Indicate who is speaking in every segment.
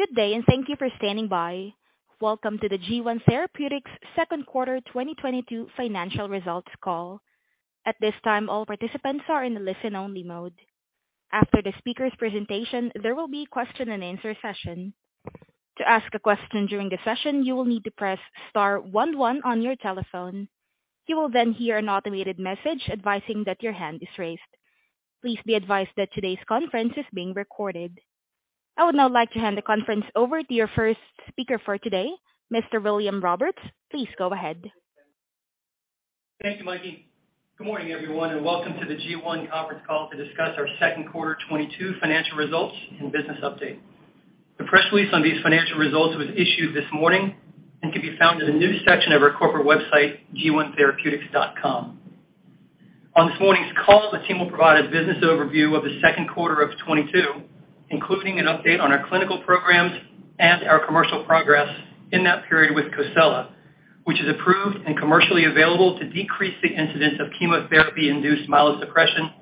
Speaker 1: Good day, and thank you for standing by. Welcome to the G1 Therapeutics second quarter 2022 financial results call. At this time, all participants are in listen-only mode. After the speaker's presentation, there will be question-and-answer session. To ask a question during the session, you will need to press star one one on your telephone. You will then hear an automated message advising that your hand is raised. Please be advised that today's conference is being recorded. I would now like to hand the conference over to your first speaker for today, Mr. William Roberts. Please go ahead.
Speaker 2: Thank you, Mikey. Good morning, everyone, and welcome to the G1 conference call to discuss our second quarter 2022 financial results and business update. The press release on these financial results was issued this morning and can be found in the news section of our corporate website, g1therapeutics.com. On this morning's call, the team will provide a business overview of the second quarter of 2022, including an update on our clinical programs and our commercial progress in that period with COSELA, which is approved and commercially available to decrease the incidence of chemotherapy-induced myelosuppression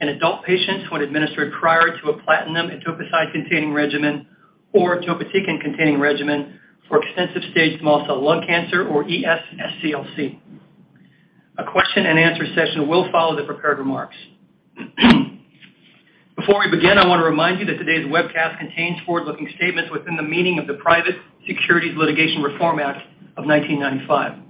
Speaker 2: in adult patients when administered prior to a platinum/etoposide-containing regimen or topotecan-containing regimen for extensive-stage small cell lung cancer or ES-SCLC. A question-and-answer session will follow the prepared remarks. Before we begin, I want to remind you that today's webcast contains forward-looking statements within the meaning of the Private Securities Litigation Reform Act of 1995.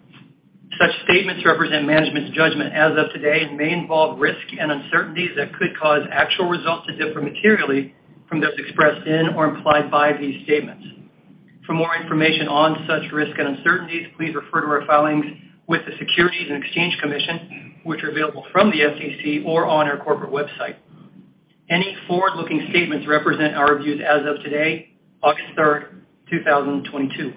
Speaker 2: Such statements represent management's judgment as of today and may involve risk and uncertainties that could cause actual results to differ materially from those expressed in or implied by these statements. For more information on such risk and uncertainties, please refer to our filings with the Securities and Exchange Commission, which are available from the SEC or on our corporate website. Any forward-looking statements represent our views as of today, August 3rd, 2022.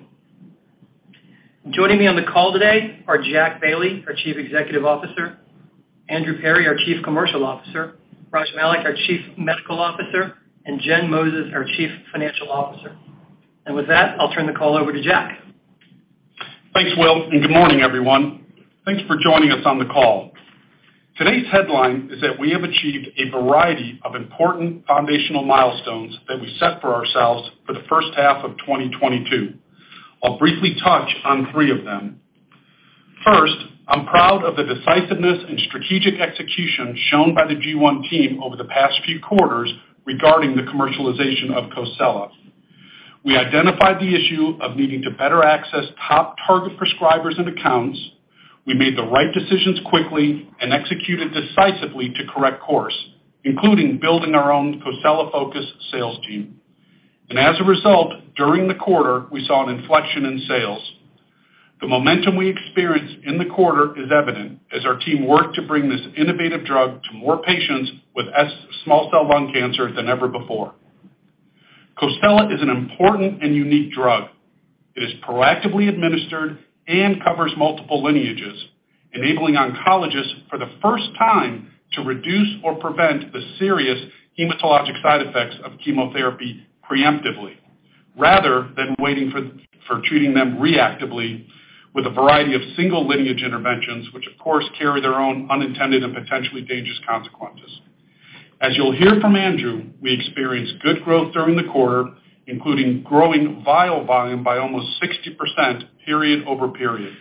Speaker 2: Joining me on the call today are Jack Bailey, our Chief Executive Officer, Andrew Perry, our Chief Commercial Officer, Raj Malik, our Chief Medical Officer, and Jen Moses, our Chief Financial Officer. With that, I'll turn the call over to Jack.
Speaker 3: Thanks, Will, and good morning, everyone. Thanks for joining us on the call. Today's headline is that we have achieved a variety of important foundational milestones that we set for ourselves for the first half of 2022. I'll briefly touch on three of them. First, I'm proud of the decisiveness and strategic execution shown by the G1 team over the past few quarters regarding the commercialization of COSELA. We identified the issue of needing to better access top target prescribers and accounts. We made the right decisions quickly and executed decisively to correct course, including building our own COSELA-focused sales team. As a result, during the quarter, we saw an inflection in sales. The momentum we experienced in the quarter is evident as our team worked to bring this innovative drug to more patients with small cell lung cancer than ever before. COSELA is an important and unique drug. It is proactively administered and covers multiple lineages, enabling oncologists for the first time to reduce or prevent the serious hematologic side effects of chemotherapy preemptively, rather than waiting for treating them reactively with a variety of single lineage interventions, which of course carry their own unintended and potentially dangerous consequences. As you'll hear from Andrew, we experienced good growth during the quarter, including growing vial volume by almost 60% period over period.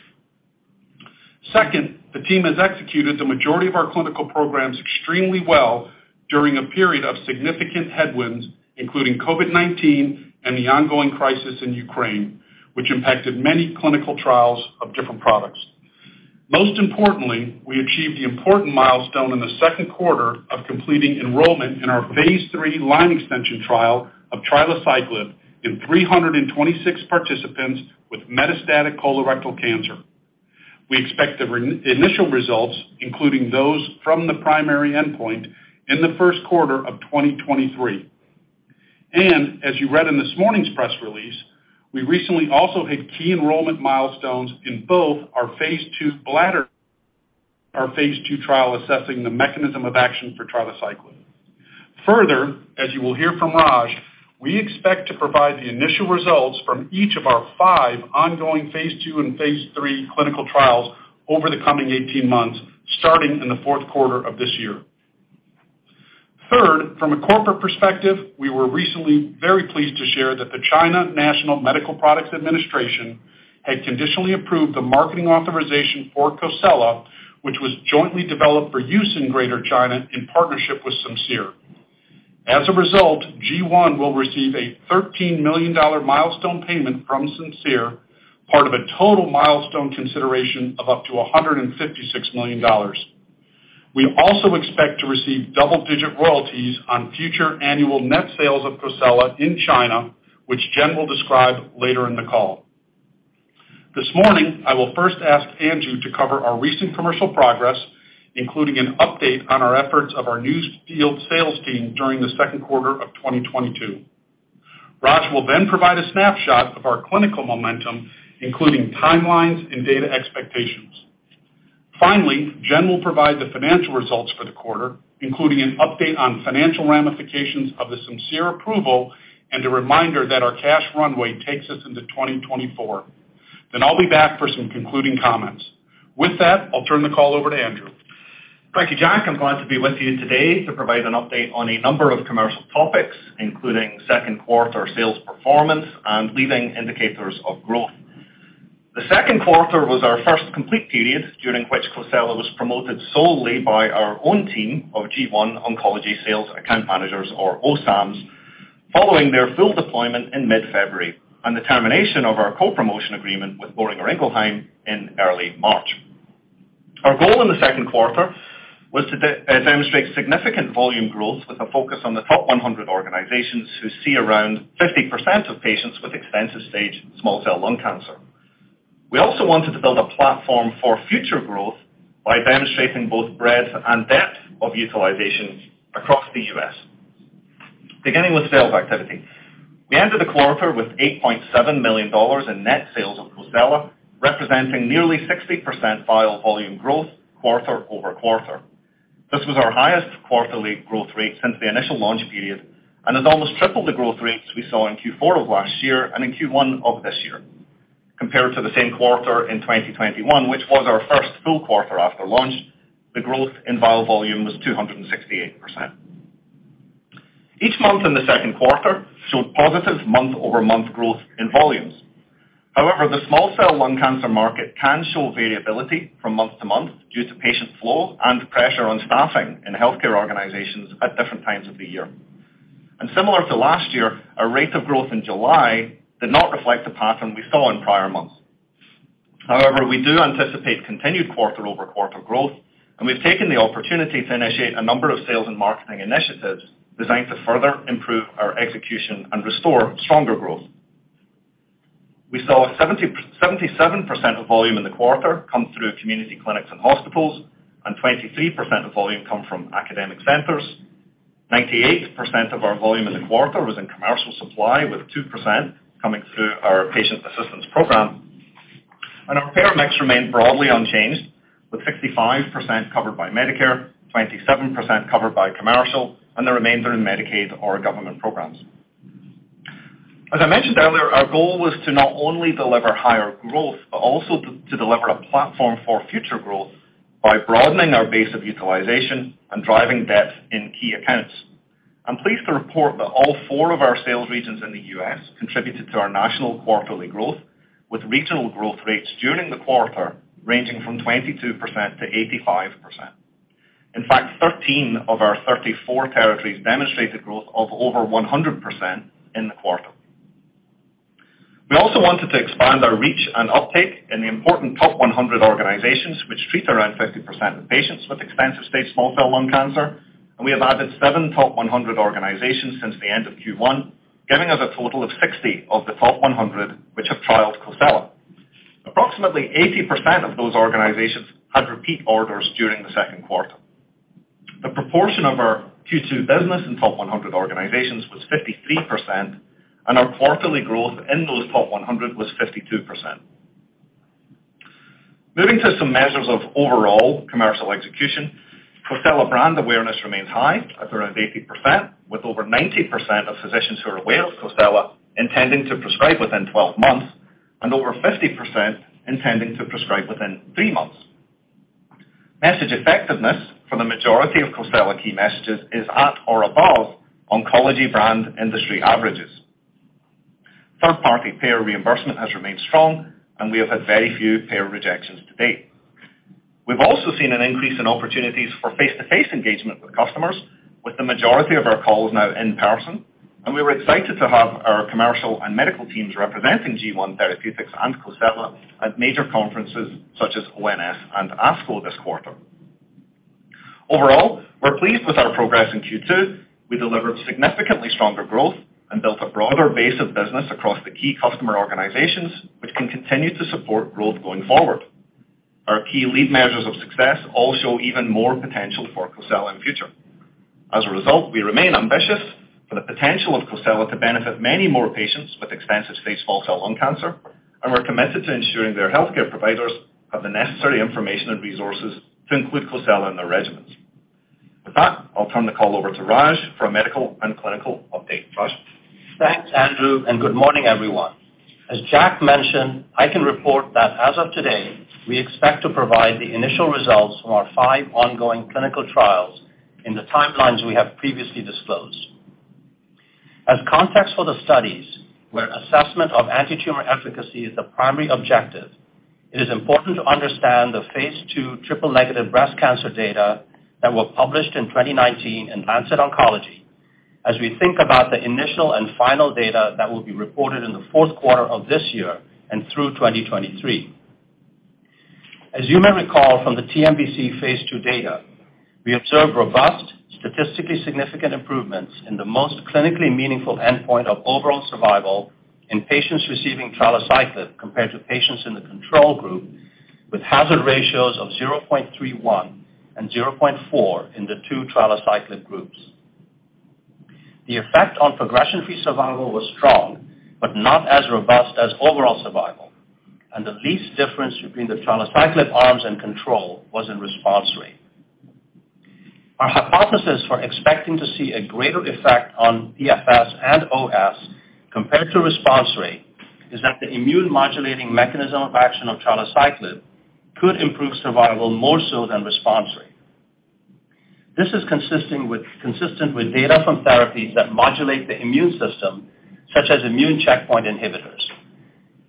Speaker 3: Second, the team has executed the majority of our clinical programs extremely well during a period of significant headwinds, including COVID-19 and the ongoing crisis in Ukraine, which impacted many clinical trials of different products. Most importantly, we achieved the important milestone in the second quarter of completing enrollment in our phase III line extension trial of trilaciclib in 326 participants with metastatic colorectal cancer. We expect the initial results, including those from the primary endpoint, in the first quarter of 2023. As you read in this morning's press release, we recently also hit key enrollment milestones in both our phase II bladder, our phase II trial assessing the mechanism of action for trilaciclib. Further, as you will hear from Raj, we expect to provide the initial results from each of our five ongoing phase II and phase III clinical trials over the coming 18 months, starting in the fourth quarter of this year. Third, from a corporate perspective, we were recently very pleased to share that the China National Medical Products Administration had conditionally approved the marketing authorization for COSELA, which was jointly developed for use in Greater China in partnership with Simcere. As a result, G1 will receive a $13 million milestone payment from Simcere, part of a total milestone consideration of up to $156 million. We also expect to receive double-digit royalties on future annual net sales of COSELA in China, which Jen will describe later in the call. This morning, I will first ask Andrew to cover our recent commercial progress, including an update on our efforts of our new field sales team during the second quarter of 2022. Raj will then provide a snapshot of our clinical momentum, including timelines and data expectations. Finally, Jen will provide the financial results for the quarter, including an update on financial ramifications of the Simcere approval and a reminder that our cash runway takes us into 2024. Then I'll be back for some concluding comments. With that, I'll turn the call over to Andrew.
Speaker 4: Thank you, Jack. I'm glad to be with you today to provide an update on a number of commercial topics, including second quarter sales performance and leading indicators of growth. The second quarter was our first complete period during which COSELA was promoted solely by our own team of G1 oncology sales account managers or OSAMs, following their full deployment in mid-February and the termination of our co-promotion agreement with Boehringer Ingelheim in early March. Our goal in the second quarter was to demonstrate significant volume growth with a focus on the top 100 organizations who see around 50% of patients with extensive stage small cell lung cancer. We also wanted to build a platform for future growth by demonstrating both breadth and depth of utilization across the U.S. Beginning with sales activity, we ended the quarter with $8.7 million in net sales of COSELA, representing nearly 60% vial volume growth quarter-over-quarter. This was our highest quarterly growth rate since the initial launch period and has almost tripled the growth rates we saw in Q4 of last year and in Q1 of this year. Compared to the same quarter in 2021, which was our first full quarter after launch, the growth in vial volume was 268%. Each month in the second quarter showed positive month-over-month growth in volumes. However, the small cell lung cancer market can show variability from month to month due to patient flow and pressure on staffing in healthcare organizations at different times of the year. Similar to last year, our rate of growth in July did not reflect the pattern we saw in prior months. However, we do anticipate continued quarter-over-quarter growth, and we've taken the opportunity to initiate a number of sales and marketing initiatives designed to further improve our execution and restore stronger growth. We saw 77% of volume in the quarter come through community clinics and hospitals, and 23% of volume come from academic centers. 98% of our volume in the quarter was in commercial supply, with 2% coming through our patient assistance program. Our payer mix remained broadly unchanged, with 65% covered by Medicare, 27% covered by commercial, and the remainder in Medicaid or government programs. As I mentioned earlier, our goal was to not only deliver higher growth, but also to deliver a platform for future growth by broadening our base of utilization and driving depth in key accounts. I'm pleased to report that all four of our sales regions in the U.S. contributed to our national quarterly growth, with regional growth rates during the quarter ranging from 22% to 85%. In fact, 13 of our 34 territories demonstrated growth of over 100% in the quarter. We also wanted to expand our reach and uptake in the important top 100 organizations which treat around 50% of patients with extensive stage small cell lung cancer. We have added 7 top 100 organizations since the end of Q1, giving us a total of 60 of the top 100 which have trialed COSELA. Approximately 80% of those organizations had repeat orders during the second quarter. The proportion of our Q2 business in top 100 organizations was 53%, and our quarterly growth in those top 100 was 52%. Moving to some measures of overall commercial execution, COSELA brand awareness remains high at around 80%, with over 90% of physicians who are aware of COSELA intending to prescribe within 12 months and over 50% intending to prescribe within three months. Message effectiveness for the majority of COSELA key messages is at or above oncology brand industry averages. Third-party payer reimbursement has remained strong, and we have had very few payer rejections to date. We've also seen an increase in opportunities for face-to-face engagement with customers, with the majority of our calls now in person, and we were excited to have our commercial and medical teams representing G1 Therapeutics and COSELA at major conferences such as ONS and ASCO this quarter. Overall, we're pleased with our progress in Q2. We delivered significantly stronger growth and built a broader base of business across the key customer organizations, which can continue to support growth going forward. Our key lead measures of success all show even more potential for COSELA in future. As a result, we remain ambitious for the potential of COSELA to benefit many more patients with extensive stage small cell lung cancer, and we're committed to ensuring their healthcare providers have the necessary information and resources to include COSELA in their regimens. With that, I'll turn the call over to Raj for a medical and clinical update. Raj?
Speaker 5: Thanks, Andrew, and good morning, everyone. As Jack mentioned, I can report that as of today, we expect to provide the initial results from our five ongoing clinical trials in the timelines we have previously disclosed. As context for the studies where assessment of antitumor efficacy is the primary objective, it is important to understand the phase II triple-negative breast cancer data that were published in 2019 in The Lancet Oncology as we think about the initial and final data that will be reported in the fourth quarter of this year and through 2023. As you may recall from the TNBC phase II data, we observed robust, statistically significant improvements in the most clinically meaningful endpoint of overall survival in patients receiving trilaciclib compared to patients in the control group with hazard ratios of 0.31 and 0.4 in the two trilaciclib groups. The effect on progression-free survival was strong but not as robust as overall survival, and the least difference between the trilaciclib arms and control was in response rate. Our hypothesis for expecting to see a greater effect on PFS and OS compared to response rate is that the immune modulating mechanism of action of trilaciclib could improve survival more so than response rate. This is consistent with data from therapies that modulate the immune system, such as immune checkpoint inhibitors.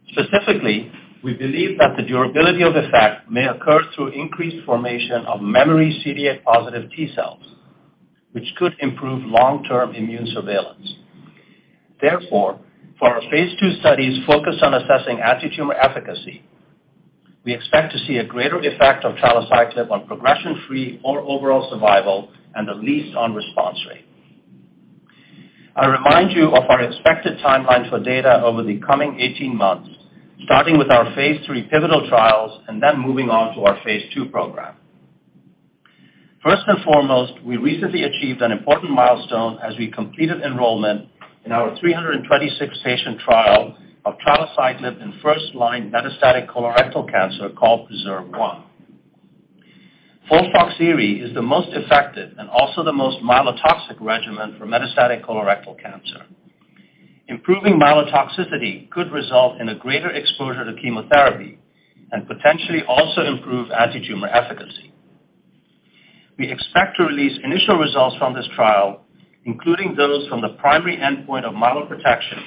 Speaker 5: Specifically, we believe that the durability of effect may occur through increased formation of memory CD8+ T-cells, which could improve long-term immune surveillance. Therefore, for our phase II studies focused on assessing antitumor efficacy, we expect to see a greater effect of trilaciclib on progression-free or overall survival, and the least on response rate. I remind you of our expected timeline for data over the coming 18 months, starting with our phase III pivotal trials and then moving on to our phase II program. First and foremost, we recently achieved an important milestone as we completed enrollment in our 326 patient trial of trilaciclib in first-line metastatic colorectal cancer called PRESERVE 1. FOLFOXIRI is the most effective and also the most myelotoxic regimen for metastatic colorectal cancer. Improving myelotoxicity could result in a greater exposure to chemotherapy and potentially also improve antitumor efficacy. We expect to release initial results from this trial, including those from the primary endpoint of myeloprotection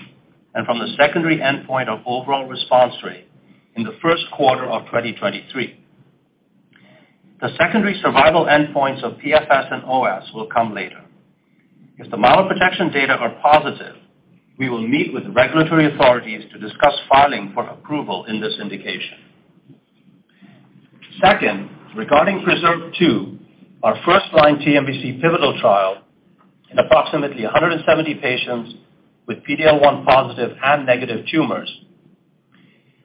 Speaker 5: and from the secondary endpoint of overall response rate in the first quarter of 2023. The secondary survival endpoints of PFS and OS will come later. If the model protection data are positive, we will meet with the regulatory authorities to discuss filing for approval in this indication. Second, regarding PRESERVE 2, our first-line TNBC pivotal trial in approximately 170 patients with PD-L1 positive and negative tumors,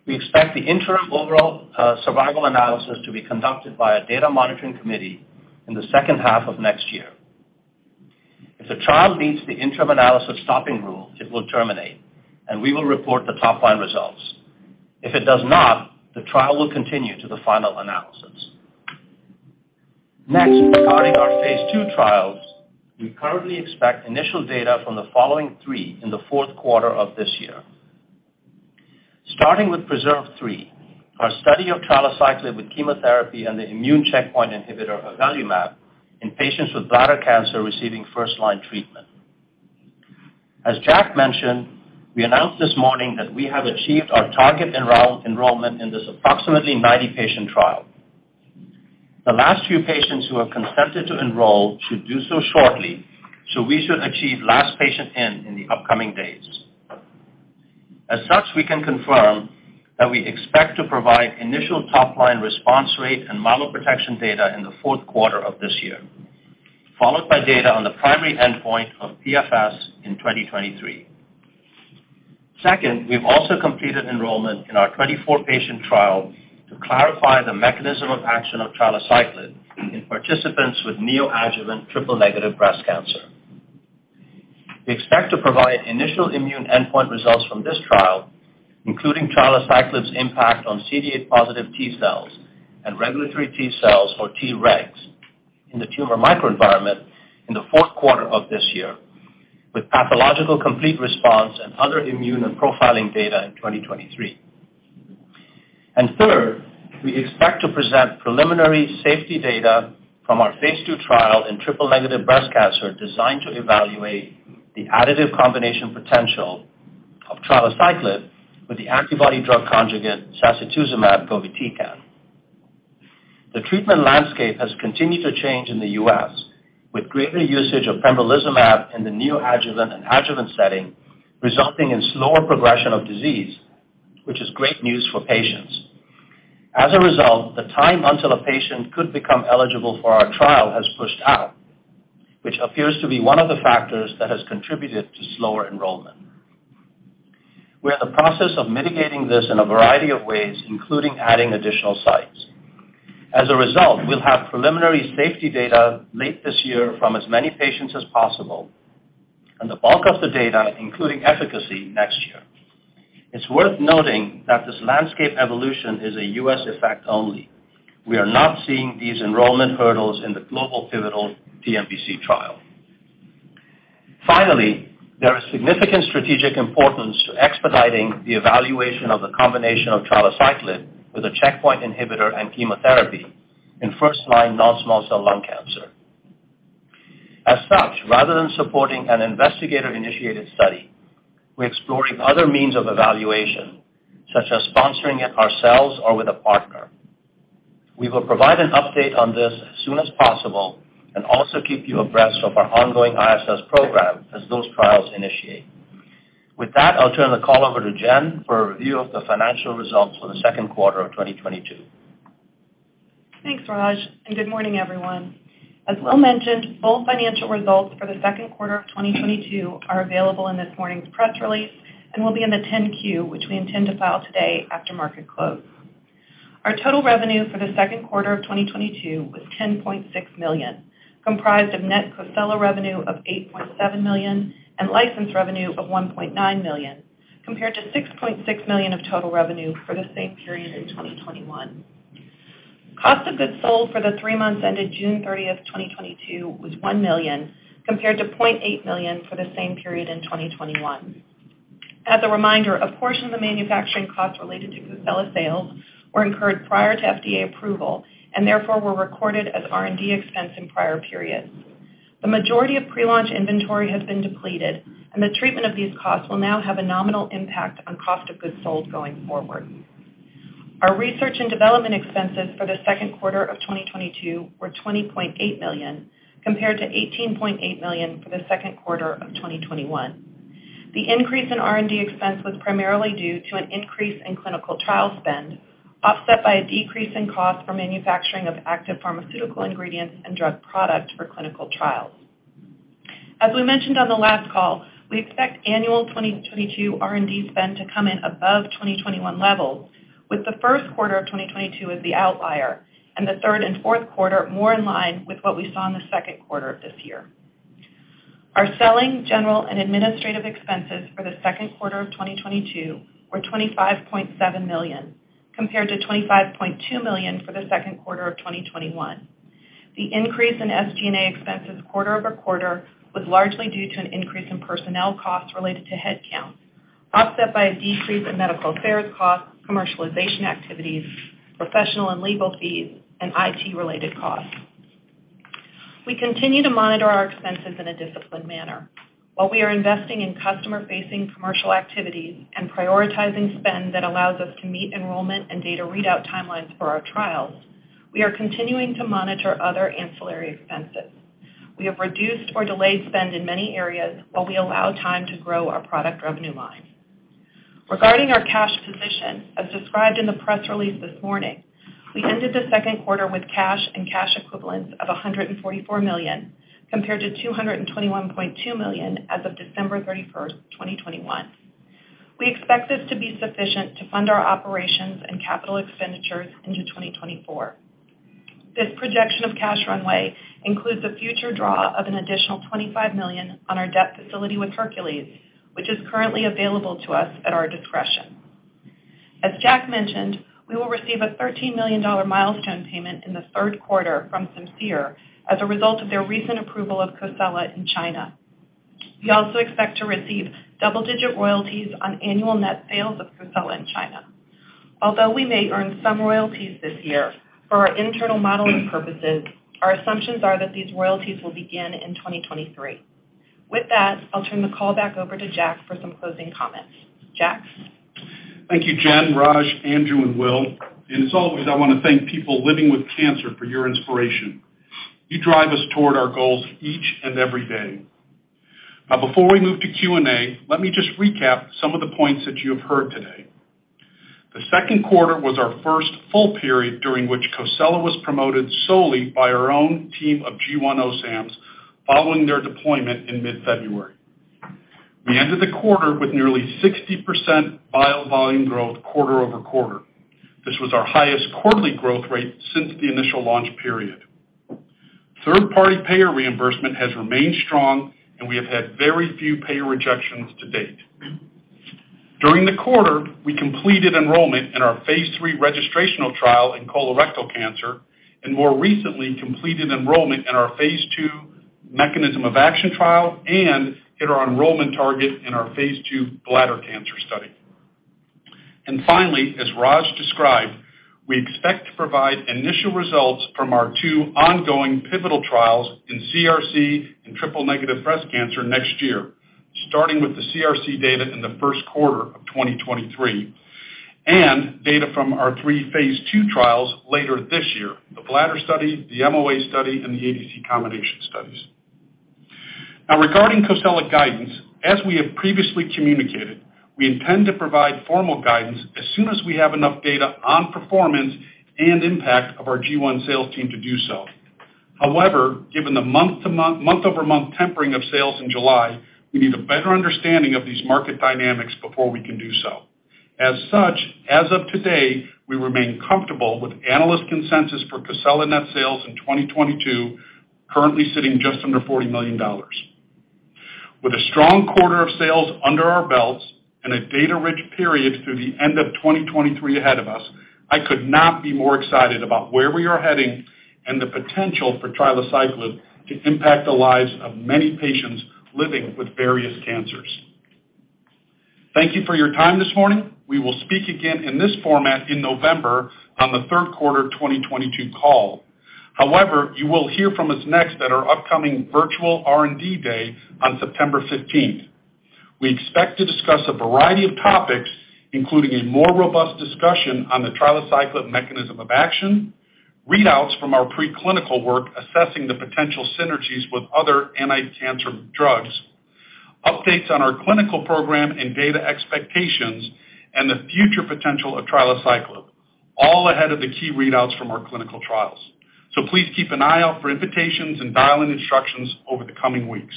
Speaker 5: we expect the interim overall survival analysis to be conducted by a data monitoring committee in the second half of next year. If the trial meets the interim analysis stopping rule, it will terminate, and we will report the top-line results. If it does not, the trial will continue to the final analysis. Next, regarding our phase II trials, we currently expect initial data from the following three in the fourth quarter of this year. Starting with PRESERVE 3, our study of trilaciclib with chemotherapy and the immune checkpoint inhibitor avelumab in patients with bladder cancer receiving first-line treatment. As Jack mentioned, we announced this morning that we have achieved our target enrollment in this approximately 90 patient trial. The last few patients who have consented to enroll should do so shortly, so we should achieve last patient in the upcoming days. As such, we can confirm that we expect to provide initial top-line response rate and myeloprotection data in the fourth quarter of this year, followed by data on the primary endpoint of PFS in 2023. Second, we've also completed enrollment in our 24 patient trial to clarify the mechanism of action of trilaciclib in participants with neoadjuvant triple-negative breast cancer. We expect to provide initial immune endpoint results from this trial, including trilaciclib's impact on CD8+ T-cells and regulatory T-cells or T regs in the tumor microenvironment in the fourth quarter of this year, with pathological complete response and other immune and profiling data in 2023. Third, we expect to present preliminary safety data from our phase II trial in triple-negative breast cancer designed to evaluate the additive combination potential of trilaciclib with the antibody drug conjugate sacituzumab govitecan. The treatment landscape has continued to change in the U.S., with greater usage of pembrolizumab in the neoadjuvant and adjuvant setting, resulting in slower progression of disease, which is great news for patients. As a result, the time until a patient could become eligible for our trial has pushed out, which appears to be one of the factors that has contributed to slower enrollment. We're in the process of mitigating this in a variety of ways, including adding additional sites. As a result, we'll have preliminary safety data late this year from as many patients as possible, and the bulk of the data, including efficacy, next year. It's worth noting that this landscape evolution is a U.S. effect only. We are not seeing these enrollment hurdles in the global pivotal TNBC trial. Finally, there is significant strategic importance to expediting the evaluation of the combination of trilaciclib with a checkpoint inhibitor and chemotherapy in first-line non-small cell lung cancer. As such, rather than supporting an investigator-initiated study, we're exploring other means of evaluation, such as sponsoring it ourselves or with a partner. We will provide an update on this as soon as possible and also keep you abreast of our ongoing ISS program as those trials initiate. With that, I'll turn the call over to Jen for a review of the financial results for the second quarter of 2022.
Speaker 6: Thanks, Raj, and good morning, everyone. As Will mentioned, full financial results for the second quarter of 2022 are available in this morning's press release and will be in the 10-Q, which we intend to file today after market close. Our total revenue for the second quarter of 2022 was $10.6 million, comprised of net COSELA revenue of $8.7 million and license revenue of $1.9 million. Compared to $6.6 million of total revenue for the same period in 2021. Cost of goods sold for the three months ended June 30th, 2022 was $1 million, compared to $0.8 million for the same period in 2021. As a reminder, a portion of the manufacturing costs related to COSELA sales were incurred prior to FDA approval, and therefore were recorded as R&D expense in prior periods. The majority of pre-launch inventory has been depleted, and the treatment of these costs will now have a nominal impact on cost of goods sold going forward. Our research and development expenses for the second quarter of 2022 were $20.8 million, compared to $18.8 million for the second quarter of 2021. The increase in R&D expense was primarily due to an increase in clinical trial spend, offset by a decrease in cost for manufacturing of active pharmaceutical ingredients and drug product for clinical trials. As we mentioned on the last call, we expect annual 2022 R&D spend to come in above 2021 levels, with the first quarter of 2022 as the outlier and the third and fourth quarter more in line with what we saw in the second quarter of this year. Our selling, general and administrative expenses for the second quarter of 2022 were $25.7 million, compared to $25.2 million for the second quarter of 2021. The increase in SG&A expenses quarter-over-quarter was largely due to an increase in personnel costs related to headcount, offset by a decrease in medical affairs costs, commercialization activities, professional and legal fees, and IT-related costs. We continue to monitor our expenses in a disciplined manner. While we are investing in customer-facing commercial activities and prioritizing spend that allows us to meet enrollment and data readout timelines for our trials, we are continuing to monitor other ancillary expenses. We have reduced or delayed spend in many areas while we allow time to grow our product revenue line. Regarding our cash position, as described in the press release this morning, we ended the second quarter with cash and cash equivalents of $144 million, compared to $221.2 million as of December 31st, 2021. We expect this to be sufficient to fund our operations and capital expenditures into 2024. This projection of cash runway includes a future draw of an additional $25 million on our debt facility with Hercules Capital, which is currently available to us at our discretion. As Jack mentioned, we will receive a $13 million milestone payment in the third quarter from Simcere as a result of their recent approval of COSELA in China. We also expect to receive double-digit royalties on annual net sales of COSELA in China. Although we may earn some royalties this year, for our internal modeling purposes, our assumptions are that these royalties will begin in 2023. With that, I'll turn the call back over to Jack for some closing comments. Jack?
Speaker 3: Thank you, Jen, Raj, Andrew, and Will. As always, I wanna thank people living with cancer for your inspiration. You drive us toward our goals each and every day. Now, before we move to Q&A, let me just recap some of the points that you have heard today. The second quarter was our first full period during which COSELA was promoted solely by our own team of G1 OSAMs following their deployment in mid-February. We ended the quarter with nearly 60% vial volume growth quarter-over-quarter. This was our highest quarterly growth rate since the initial launch period. Third-party payer reimbursement has remained strong, and we have had very few payer rejections to date. During the quarter, we completed enrollment in our phase III registrational trial in colorectal cancer, and more recently, completed enrollment in our phase II mechanism of action trial and hit our enrollment target in our phase II bladder cancer study. Finally, as Raj described, we expect to provide initial results from our two ongoing pivotal trials in CRC and triple-negative breast cancer next year, starting with the CRC data in the first quarter of 2023, and data from our three phase II trials later this year, the bladder study, the MOA study, and the ADC combination studies. Now regarding COSELA guidance, as we have previously communicated, we intend to provide formal guidance as soon as we have enough data on performance and impact of our G1 sales team to do so. However, given the month-over-month tempering of sales in July, we need a better understanding of these market dynamics before we can do so. As such, as of today, we remain comfortable with analyst consensus for COSELA net sales in 2022, currently sitting just under $40 million. With a strong quarter of sales under our belts and a data-rich period through the end of 2023 ahead of us, I could not be more excited about where we are heading and the potential for trilaciclib to impact the lives of many patients living with various cancers. Thank you for your time this morning. We will speak again in this format in November on the third quarter 2022 call. However, you will hear from us next at our upcoming virtual R&D day on September 15th. We expect to discuss a variety of topics, including a more robust discussion on the trilaciclib mechanism of action, readouts from our preclinical work assessing the potential synergies with other anti-cancer drugs, updates on our clinical program and data expectations, and the future potential of trilaciclib, all ahead of the key readouts from our clinical trials. Please keep an eye out for invitations and dial-in instructions over the coming weeks.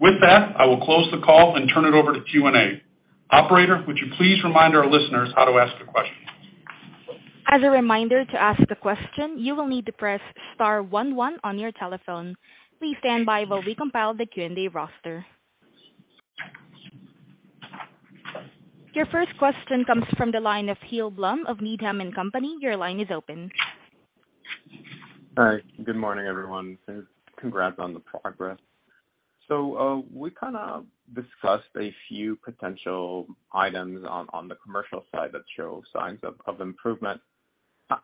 Speaker 3: With that, I will close the call and turn it over to Q&A. Operator, would you please remind our listeners how to ask a question?
Speaker 1: As a reminder, to ask a question, you will need to press star one one on your telephone. Please stand by while we compile the Q&A roster. Your first question comes from the line of Gil Blum of Needham & Company. Your line is open.
Speaker 7: Hi, good morning, everyone, and congrats on the progress. We kind of discussed a few potential items on the commercial side that show signs of improvement.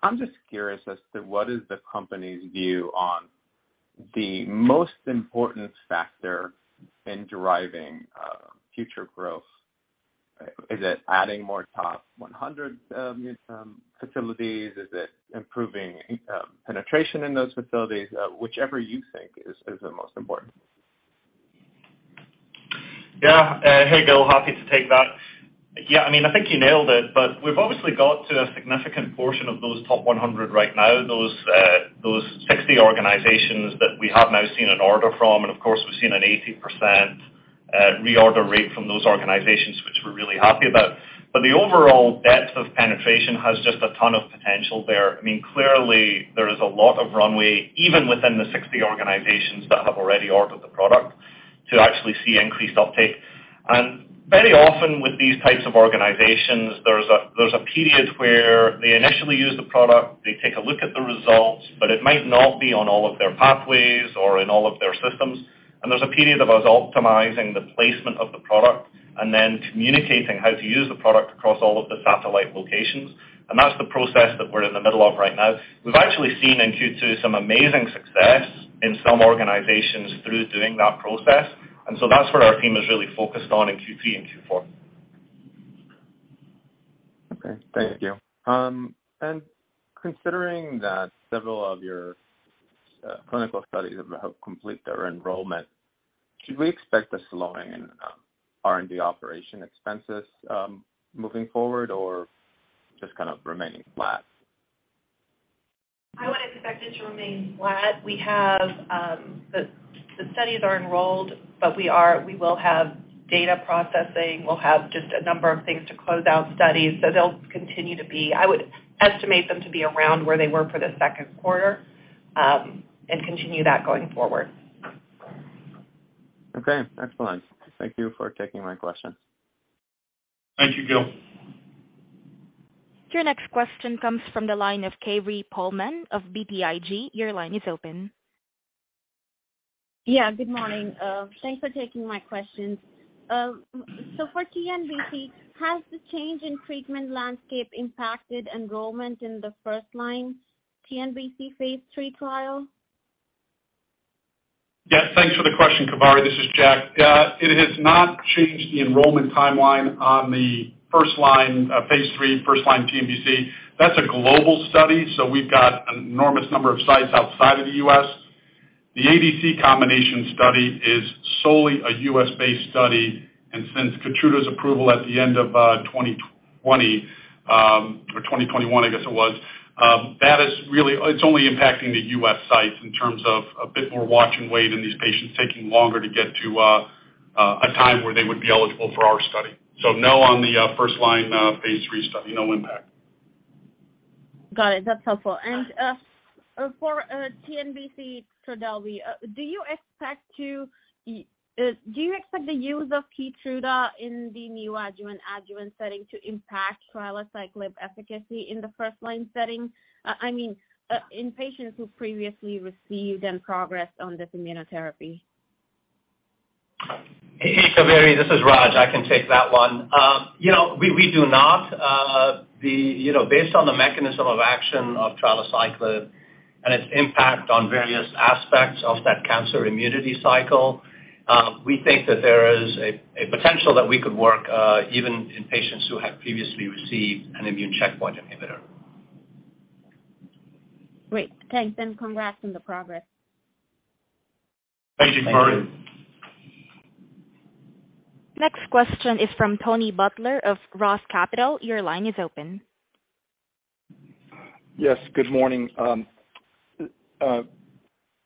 Speaker 7: I'm just curious as to what is the company's view on the most important factor in deriving future growth. Is it adding more top 100 facilities? Is it improving penetration in those facilities? Whichever you think is the most important.
Speaker 4: Yeah. Hey, Gil. Happy to take that. Yeah, I mean, I think you nailed it, but we've obviously got to a significant portion of those top 100 right now, those 60 organizations that we have now seen an order from. Of course, we've seen an 80% reorder rate from those organizations, which we're really happy about. The overall depth of penetration has just a ton of potential there. I mean, clearly there is a lot of runway, even within the 60 organizations that have already ordered the product to actually see increased uptake. Very often with these types of organizations, there's a period where they initially use the product, they take a look at the results, but it might not be on all of their pathways or in all of their systems. There's a period of us optimizing the placement of the product and then communicating how to use the product across all of the satellite locations. That's the process that we're in the middle of right now. We've actually seen in Q2 some amazing success in some organizations through doing that process. That's what our team is really focused on in Q3 and Q4.
Speaker 7: Okay. Thank you. Considering that several of your clinical studies have completed their enrollment, should we expect a slowing in R&D operating expenses moving forward or just kind of remaining flat?
Speaker 6: I would expect it to remain flat. We have the studies are enrolled, but we will have data processing. We'll have just a number of things to close out studies, so they'll continue to be. I would estimate them to be around where they were for the second quarter, and continue that going forward.
Speaker 7: Okay, excellent. Thank you for taking my questions.
Speaker 4: Thank you, Gil.
Speaker 1: Your next question comes from the line of Kaveri Pohlman of BTIG. Your line is open.
Speaker 8: Good morning. Thanks for taking my questions. For TNBC, has the change in treatment landscape impacted enrollment in the first-line TNBC phase III trial?
Speaker 4: Yes, thanks for the question, Kaveri. This is Jack. It has not changed the enrollment timeline on the first-line phase III first-line TNBC. That's a global study, so we've got an enormous number of sites outside of the U.S. The ADC combination study is solely a U.S. based study, and since Keytruda's approval at the end of 2020 or 2021, I guess it was, that is really, it's only impacting the U.S. sites in terms of a bit more watch and wait and these patients taking longer to get to a time where they would be eligible for our study. No on the first-line phase III study, no impact.
Speaker 8: Got it. That's helpful. For TNBC Trodelvy, do you expect the use of Keytruda in the neoadjuvant adjuvant setting to impact trilaciclib efficacy in the first line setting? I mean, in patients who previously received and progressed on this immunotherapy.
Speaker 5: Hey, Kaveri, this is Raj. I can take that one. You know, based on the mechanism of action of trilaciclib and its impact on various aspects of that cancer immunity cycle, we think that there is a potential that we could work even in patients who have previously received an immune checkpoint inhibitor.
Speaker 8: Great. Thanks, and congrats on the progress.
Speaker 4: Thank you, Kaveri.
Speaker 5: Thank you.
Speaker 1: Next question is from Tony Butler of ROTH Capital Partners. Your line is open.
Speaker 9: Yes, good morning.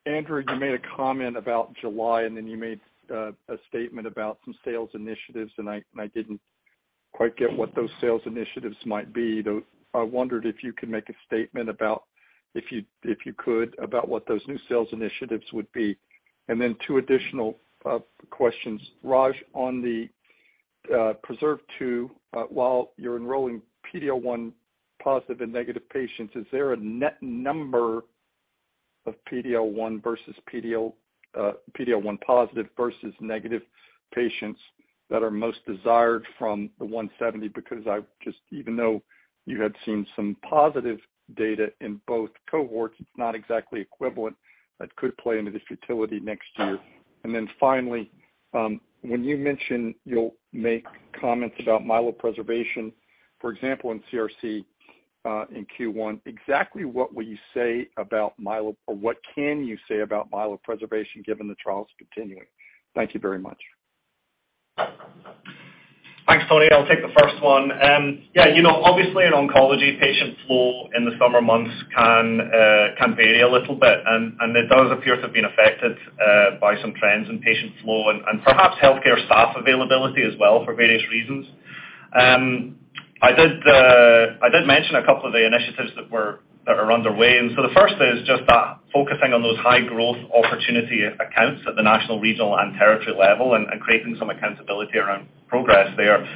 Speaker 9: Andrew, you made a comment about July, and then you made a statement about some sales initiatives, and I didn't quite get what those sales initiatives might be. I wondered if you could make a statement about what those new sales initiatives would be. Then two additional questions. Raj, on the PRESERVE 2, while you're enrolling PD-L1 positive and negative patients, is there a net number of PD-L1 positive versus negative patients that are most desired from the 170? Because even though you had seen some positive data in both cohorts, it's not exactly equivalent. That could play into this utility next year. Finally, when you mention you'll make comments about myeloprotection, for example, in CRC, in Q1, exactly what will you say about myeloprotection, or what can you say about myeloprotection given the trials continuing? Thank you very much.
Speaker 4: Thanks, Tony. I'll take the first one. Yeah, you know, obviously in oncology patient flow in the summer months can vary a little bit. It does appear to have been affected by some trends in patient flow and perhaps healthcare staff availability as well for various reasons. I did mention a couple of the initiatives that are underway. The first is just that focusing on those high growth opportunity accounts at the national, regional, and territory level and creating some accountability around progress there.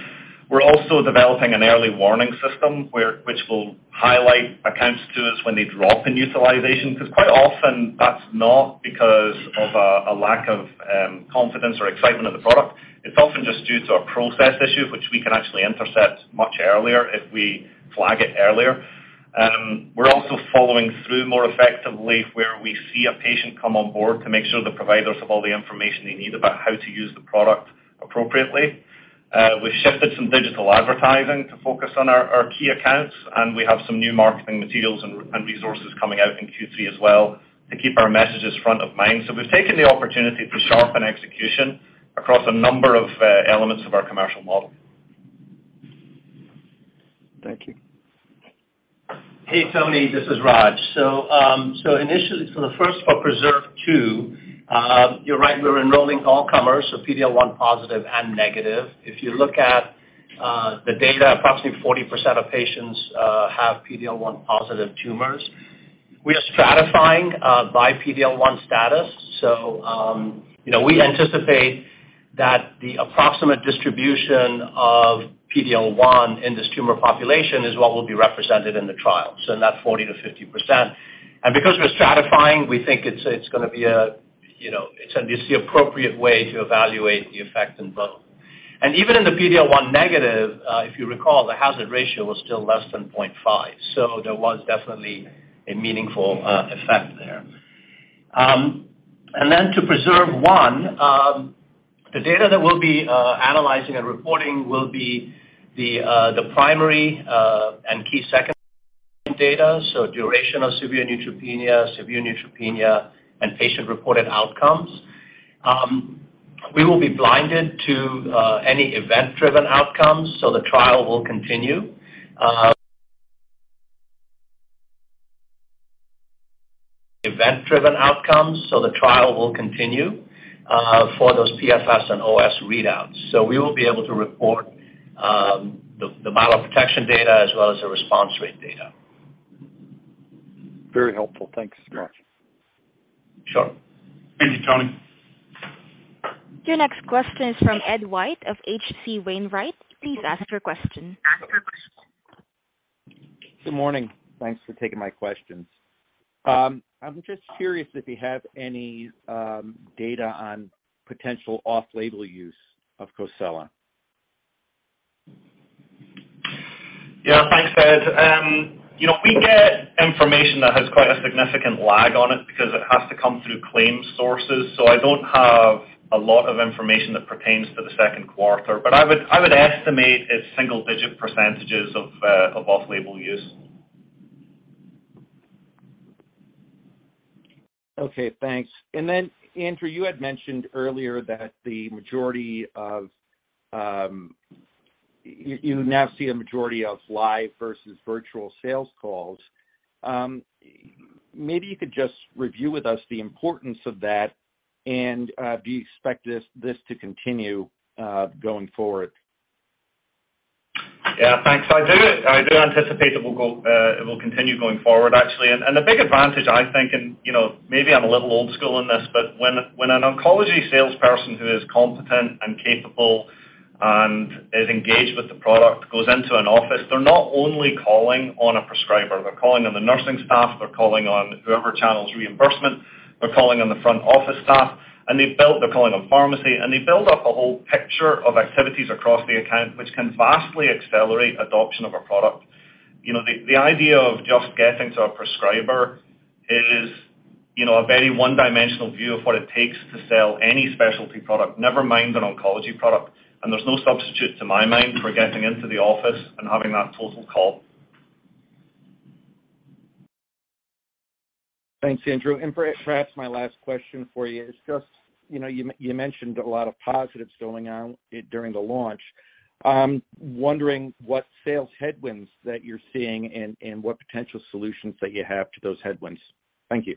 Speaker 4: We're also developing an early warning system which will highlight accounts to us when they drop in utilization. Because quite often that's not because of a lack of confidence or excitement of the product. It's often just due to a process issue, which we can actually intercept much earlier if we flag it earlier. We're also following through more effectively where we see a patient come on board to make sure the providers have all the information they need about how to use the product appropriately. We've shifted some digital advertising to focus on our key accounts, and we have some new marketing materials and resources coming out in Q3 as well to keep our messages front of mind. We've taken the opportunity to sharpen execution across a number of elements of our commercial model.
Speaker 9: Thank you.
Speaker 5: Hey, Tony, this is Raj. Initially for the first of PRESERVE 2, you're right, we're enrolling all comers, so PD-L1 positive and negative. If you look at the data, approximately 40% of patients have PD-L1 positive tumors. We are stratifying by PD-L1 status. You know, we anticipate that the approximate distribution of PD-L1 in this tumor population is what will be represented in the trial, so in that 40%-50%. Because we're stratifying, we think it's gonna be a you know, it's the appropriate way to evaluate the effect in both. Even in the PD-L1 negative, if you recall, the hazard ratio was still less than 0.5. There was definitely a meaningful effect there. To PRESERVE 1, the data that we'll be analyzing and reporting will be the primary and key secondary data, so duration of severe neutropenia and patient-reported outcomes. We will be blinded to any event-driven outcomes, so the trial will continue for those PFS and OS readouts. We will be able to report the myeloprotection data as well as the response rate data.
Speaker 9: Very helpful. Thanks so much.
Speaker 5: Sure.
Speaker 4: Thank you, Tony.
Speaker 1: Your next question is from Edward White of H.C. Wainwright. Please ask your question.
Speaker 10: Good morning. Thanks for taking my questions. I'm just curious if you have any data on potential off-label use of COSELA.
Speaker 4: Yeah. Thanks, Ed. You know, we get information that has quite a significant lag on it because it has to come through claims sources. I don't have a lot of information that pertains to the second quarter. I would estimate it's single digit percentages of off-label use.
Speaker 10: Okay, thanks. Andrew, you had mentioned earlier that the majority of you now see a majority of live versus virtual sales calls. Maybe you could just review with us the importance of that, and do you expect this to continue going forward?
Speaker 4: Yeah, thanks. I do anticipate it will go, it will continue going forward actually. The big advantage I think and, you know, maybe I'm a little old school in this, but when an oncology salesperson who is competent and capable and is engaged with the product goes into an office, they're not only calling on a prescriber. They're calling on the nursing staff. They're calling on whoever channels reimbursement. They're calling on the front office staff, and they've built. They're calling on pharmacy, and they build up a whole picture of activities across the account, which can vastly accelerate adoption of a product. You know, the idea of just getting to a prescriber is, you know, a very one dimensional view of what it takes to sell any specialty product, never mind an oncology product. There's no substitute to my mind for getting into the office and having that total call.
Speaker 10: Thanks, Andrew. Perhaps my last question for you is just, you know, you mentioned a lot of positives going on during the launch. I'm wondering what sales headwinds that you're seeing and what potential solutions that you have to those headwinds. Thank you.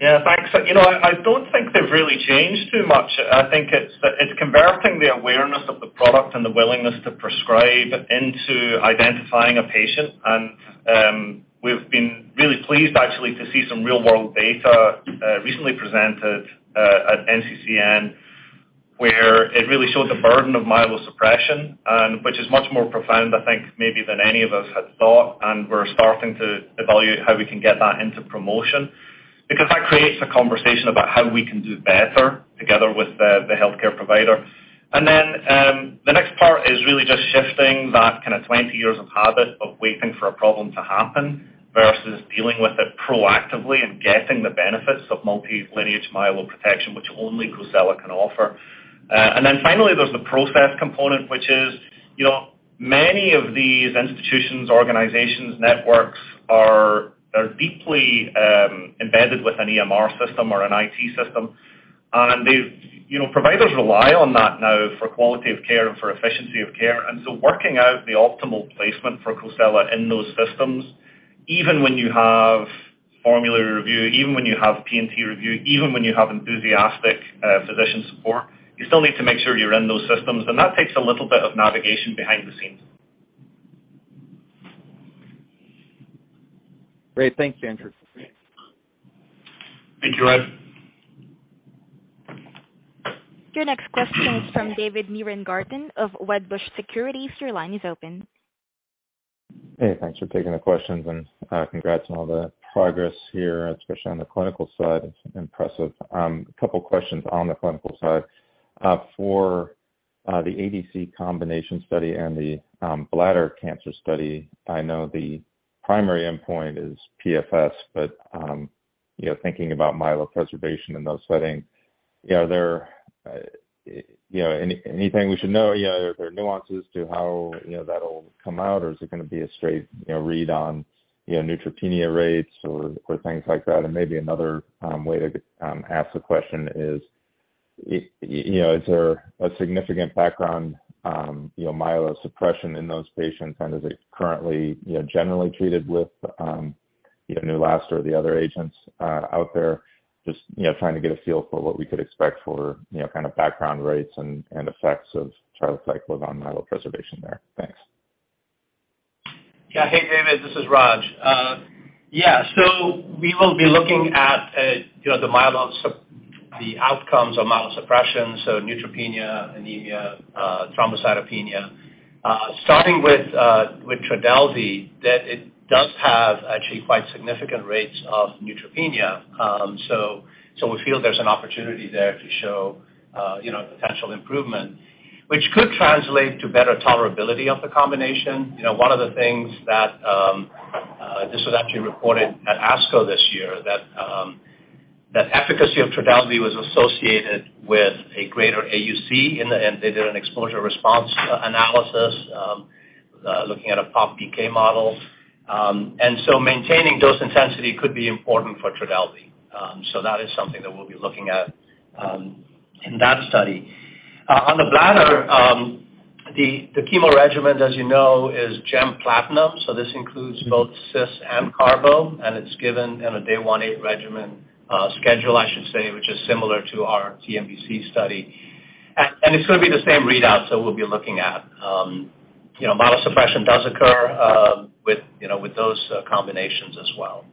Speaker 4: Yeah, thanks. You know, I don't think they've really changed too much. I think it's converting the awareness of the product and the willingness to prescribe into identifying a patient. We've been really pleased actually to see some real world data recently presented at NCCN, where it really showed the burden of myelosuppression and which is much more profound, I think, maybe than any of us had thought. We're starting to evaluate how we can get that into promotion because that creates a conversation about how we can do better together with the healthcare provider. The next part is really just shifting that kinda 20 years of habit of waiting for a problem to happen versus dealing with it proactively and getting the benefits of multi-lineage myeloprotection, which only COSELA can offer. Finally, there's the process component, which is, you know, many of these institutions, organizations, networks are deeply embedded with an EMR system or an IT system. They've. You know, providers rely on that now for quality of care and for efficiency of care. Working out the optimal placement for COSELA in those systems. Even when you have formulary review, even when you have P&T review, even when you have enthusiastic, physician support, you still need to make sure you're in those systems, and that takes a little bit of navigation behind the scenes.
Speaker 10: Great. Thank you, Andrew.
Speaker 5: Thank you, Ed.
Speaker 1: Your next question is from David Nierengarten of Wedbush Securities. Your line is open.
Speaker 11: Hey, thanks for taking the questions and, congrats on all the progress here, especially on the clinical side. It's impressive. A couple questions on the clinical side. For the ADC combination study and the bladder cancer study, I know the primary endpoint is PFS, but you know, thinking about myeloprotection in those settings, you know, there, you know, anything we should know? You know, are there nuances to how, you know, that'll come out, or is it gonna be a straight, you know, read on, you know, neutropenia rates or things like that? Maybe another way to ask the question is, you know, is there a significant background, you know, myelosuppression in those patients, and is it currently, you know, generally treated with, you know, [Neulasta] or the other agents out there? Just, you know, trying to get a feel for what we could expect for, you know, kind of background rates and effects of trilaciclib on myeloprotection there. Thanks.
Speaker 5: Hey, David, this is Raj. We will be looking at, you know, the outcomes of myelosuppression, so neutropenia, anemia, thrombocytopenia. Starting with Trodelvy, it does have actually quite significant rates of neutropenia. We feel there's an opportunity there to show, you know, potential improvement, which could translate to better tolerability of the combination. You know, one of the things that this was actually reported at ASCO this year, that efficacy of Trodelvy was associated with a greater AUC, and they did an exposure-response analysis looking at a Population PK model. Maintaining dose intensity could be important for Trodelvy. That is something that we'll be looking at in that study. On the bladder, the chemo regimen, as you know, is gem platinum, so this includes both cis and carbo, and it's given in a day one-eight regimen, schedule, I should say, which is similar to our TNBC study. It's gonna be the same readout, so we'll be looking at. You know, myelosuppression does occur, you know, with those combinations as well.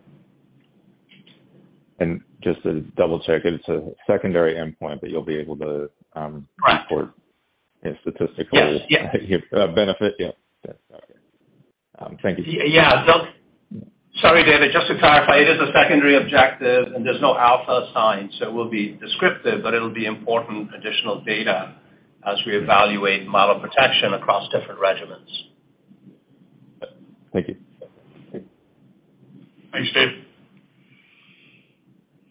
Speaker 11: Just to double-check, it's a secondary endpoint, but you'll be able to.
Speaker 5: Right.
Speaker 11: Report it statistically.
Speaker 5: Yes. Yes.
Speaker 11: You have benefit. Yeah. Yes. Okay. Thank you.
Speaker 5: Yeah. Sorry, David. Just to clarify, it is a secondary objective, and there's no alpha assigned, so we'll be descriptive, but it'll be important additional data as we evaluate myeloprotection across different regimens.
Speaker 11: Thank you.
Speaker 5: Thanks, David.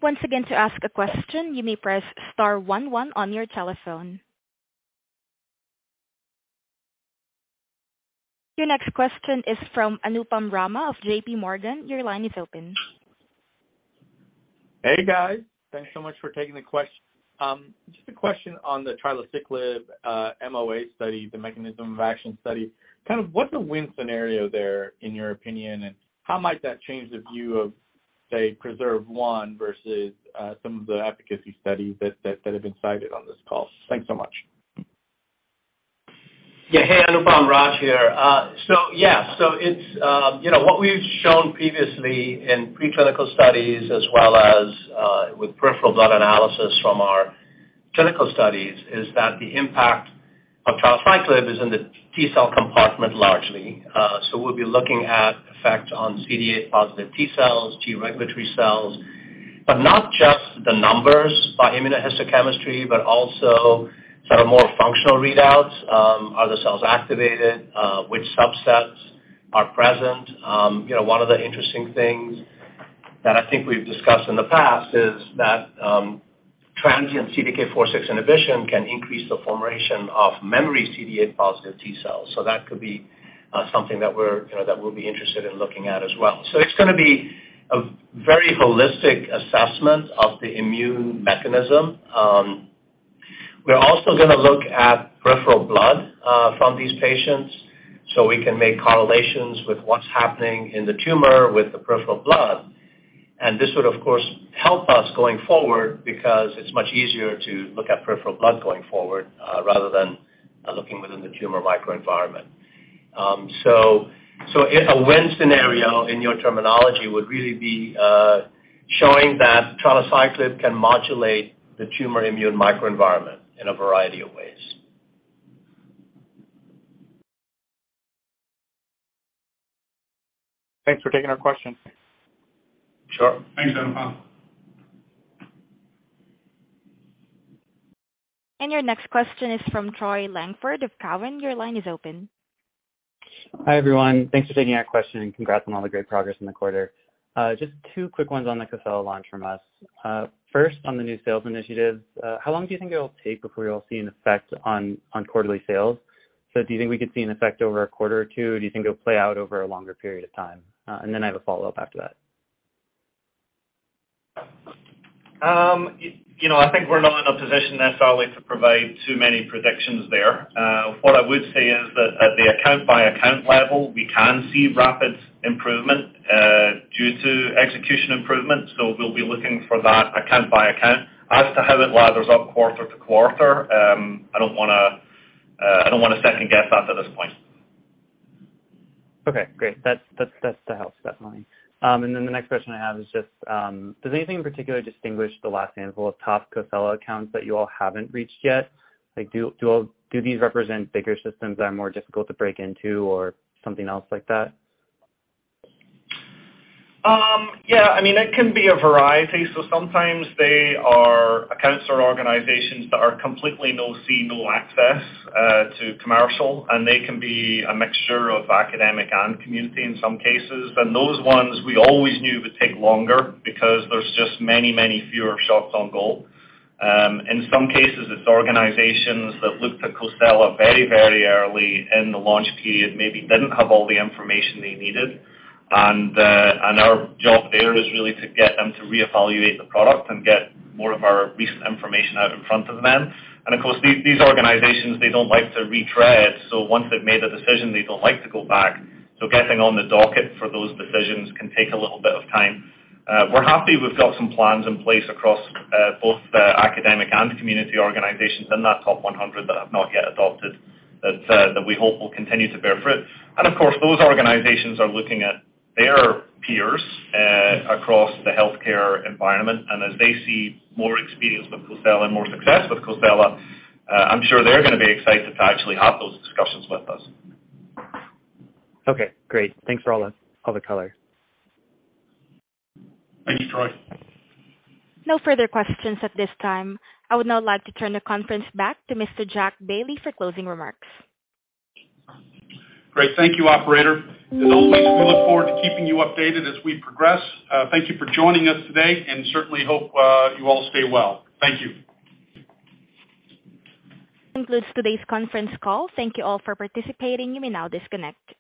Speaker 1: Once again, to ask a question, you may press star one one on your telephone. Your next question is from Anupam Rama of JPMorgan. Your line is open.
Speaker 12: Hey, guys. Just a question on the trilaciclib MOA study, the mechanism of action study. Kind of, what's a win scenario there in your opinion, and how might that change the view of, say, PRESERVE 1 versus some of the efficacy studies that have been cited on this call? Thanks so much.
Speaker 5: Yeah. Hey, Anupam. Raj here. You know, what we've shown previously in preclinical studies as well as with peripheral blood analysis from our clinical studies is that the impact of trilaciclib is in the T-cell compartment largely. We'll be looking at effect on CD8+ T-cells, T-regulatory cells, but not just the numbers by immunohistochemistry, but also sort of more functional readouts. Are the cells activated? Which subsets are present? You know, one of the interesting things that I think we've discussed in the past is that transient CDK4/6 inhibition can increase the formation of memory CD8+ T-cells. That could be something that we're interested in looking at as well. It's gonna be a very holistic assessment of the immune mechanism. We're also gonna look at peripheral blood from these patients, so we can make correlations with what's happening in the tumor with the peripheral blood. This would, of course, help us going forward because it's much easier to look at peripheral blood going forward rather than looking within the tumor microenvironment. A win scenario in your terminology would really be showing that trilaciclib can modulate the tumor immune microenvironment in a variety of ways.
Speaker 12: Thanks for taking our question.
Speaker 5: Sure. Thanks, Anupam.
Speaker 1: Your next question is from Troy Langford of TD Cowen. Your line is open.
Speaker 13: Hi, everyone. Thanks for taking our question, and congrats on all the great progress in the quarter. Just two quick ones on the COSELA launch from us. First, on the new sales initiative, how long do you think it'll take before you'll see an effect on quarterly sales? Do you think we could see an effect over a quarter or two, or do you think it'll play out over a longer period of time? And then I have a follow-up after that.
Speaker 4: You know, I think we're not in a position necessarily to provide too many predictions there. What I would say is that at the account by account level, we can see rapid improvement due to execution improvement, so we'll be looking for that account by account. As to how it adds up quarter to quarter, I don't wanna second guess that at this point.
Speaker 13: Okay, great. That's the healthy step line. The next question I have is just, does anything in particular distinguish the last handful of top COSELA accounts that you all haven't reached yet? Like, do all these represent bigger systems that are more difficult to break into or something else like that?
Speaker 4: Yeah. I mean, it can be a variety. Sometimes they are accounts or organizations that are completely NCCN, no access to commercial, and they can be a mixture of academic and community in some cases. Those ones we always knew would take longer because there's just many, many fewer shots on goal. In some cases, it's organizations that looked at COSELA very, very early in the launch period, maybe didn't have all the information they needed. Our job there is really to get them to reevaluate the product and get more of our recent information out in front of them. Of course, these organizations, they don't like to retread, so once they've made a decision, they don't like to go back. Getting on the docket for those decisions can take a little bit of time. We're happy we've got some plans in place across both the academic and community organizations in that top 100 that have not yet adopted that that we hope will continue to bear fruit. Of course, those organizations are looking at their peers across the healthcare environment. As they see more experience with COSELA and more success with COSELA, I'm sure they're gonna be excited to actually have those discussions with us.
Speaker 13: Okay, great. Thanks for all the color.
Speaker 4: Thank you, Troy.
Speaker 1: No further questions at this time. I would now like to turn the conference back to Mr. Jack Bailey for closing remarks.
Speaker 3: Great. Thank you, operator. As always, we look forward to keeping you updated as we progress. Thank you for joining us today, and certainly hope you all stay well. Thank you.
Speaker 1: This concludes today's conference call. Thank you all for participating. You may now disconnect.